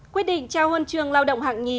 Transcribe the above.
quyết định trao huân trường lao động hạng nhì